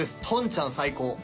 とんちゃん最高！